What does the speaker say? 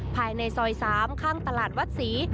ภายในซอย๓ข้างตลาดวัดศรี